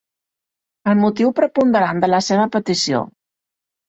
El motiu preponderant de la seva petició.